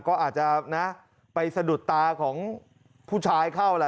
ก็อาจจะนะไปสะดุดตาของผู้ชายเข้าแหละ